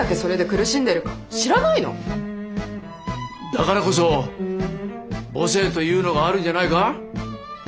だからこそ母性というのがあるんじゃないか。